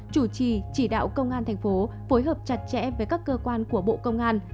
chủ trì chỉ đạo công an thành phố phối hợp chặt chẽ với các cơ quan của bộ công an